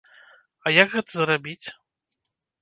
А як гэта зрабіць?